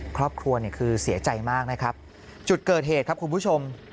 ครอบครัวเนี่ยคือเสียใจมากนะครับจุดเกิดเหตุครับคุณผู้ชม